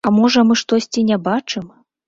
А можа мы штосьці не бачым?